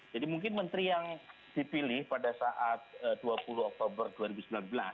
jadi mungkin menteri yang dipilih pada saat dua puluh oktober dua ribu sembilan belas